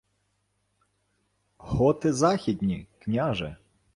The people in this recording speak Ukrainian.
— Готи західні, княже.